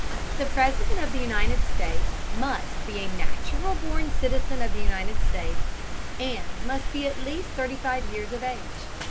The President of the United States must be a natural born citizen of the United States and must be at least thirty five years of age.